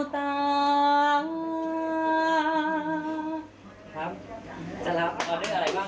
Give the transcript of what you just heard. เต้นเล็กเหมือนกัน